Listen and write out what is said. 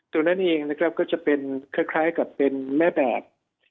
ตัวนั้นเองนะครับก็จะเป็นคล้ายกับเป็นแม่แบบ